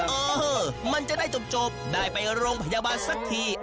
เออมันจะได้จบได้ไปโรงพยาบาลสักที